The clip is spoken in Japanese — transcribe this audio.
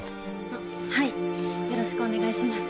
あっはいよろしくお願いします